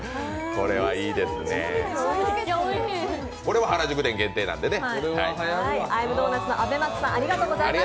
これは原宿店限定なんでね。